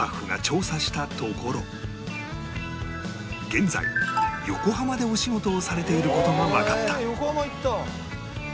現在横浜でお仕事をされている事がわかった